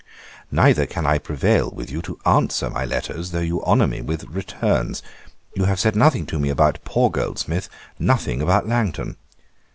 Neither can I prevail with you to answer my letters, though you honour me with returns. You have said nothing to me about poor Goldsmith, nothing about Langton.